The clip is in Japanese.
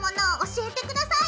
教えて下さい。